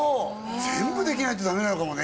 全部できないとダメなのかもね